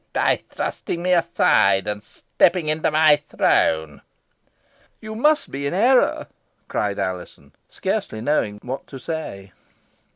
By thrusting me aside, and stepping into my throne." "You must be in error," cried Alizon, scarcely knowing what to say.